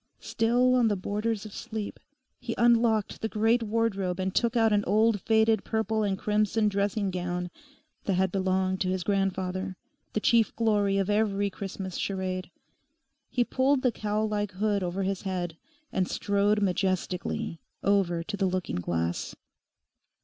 Still on the borders of sleep, he unlocked the great wardrobe and took out an old faded purple and crimson dressing gown that had belonged to his grandfather, the chief glory of every Christmas charade. He pulled the cowl like hood over his head and strode majestically over to the looking glass.